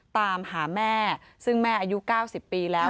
ตามหาแม่ซึ่งแม่อายุ๙๐ปีแล้ว